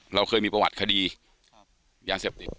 เราเคยมีประวัติคดียาเสพติด